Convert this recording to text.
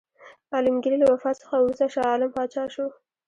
عالمګیر له وفات څخه وروسته شاه عالم پاچا شو.